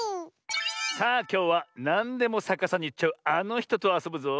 さあきょうはなんでもさかさにいっちゃうあのひととあそぶぞ。